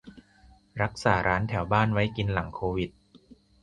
- รักษาร้านแถวบ้านไว้กินหลังโควิด